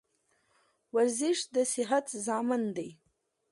ورزش د صحت ضامن دی